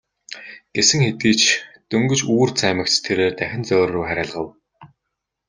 Гэсэн хэдий ч дөнгөж үүр цаймагц тэрээр дахин зоорьруу харайлгав.